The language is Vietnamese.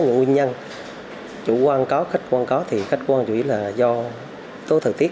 nguyên nhân chủ quan có khách quan có thì khách quan chủ yếu là do tố thời tiết